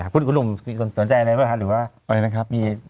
พูดคุณหนุ่มสนใจอะไรบ้างครับหรือว่าอะไรนะครับ